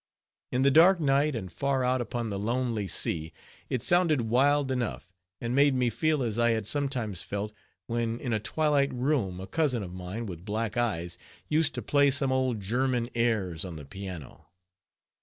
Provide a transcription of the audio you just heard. In the dark night, and far out upon the lonely sea, it sounded wild enough, and made me feel as I had sometimes felt, when in a twilight room a cousin of mine, with black eyes, used to play some old German airs on the piano.